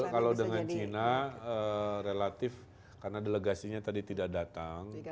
kalau dengan cina relatif karena delegasinya tadi tidak datang